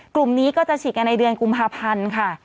กลุ่มนี้ก็จะฉีดกันในเดือนกุมภาพันธ์ค่ะ